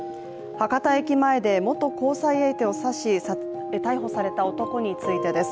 博多駅前で元交際相手を刺し逮捕された男についてです。